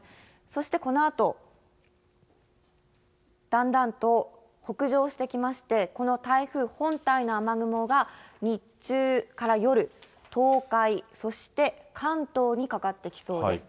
そしてこのあと、だんだんと北上してきまして、この台風本体の雨雲が、日中から夜、東海、そして関東にかかってきそうです。